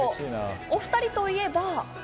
お２人といえば。